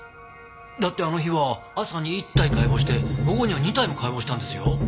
だってあの日は朝に１体解剖して午後には２体も解剖したんですよ？